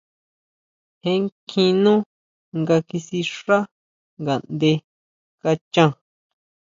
Jé kjín nú nga kisixá ngaʼnde kachan.